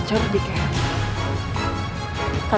aku harus menolongnya